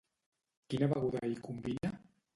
Quina beguda hi combina?